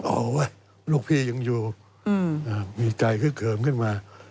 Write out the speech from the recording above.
โอ้ยลูกพี่ยังอยู่มีใจฮึกเขิมขึ้นมา